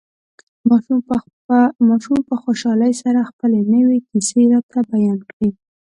ماشوم په خوشحالۍ سره خپلې نوې کيسې راته بيان کړې.